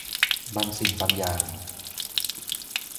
บางสิ่งบางอย่าง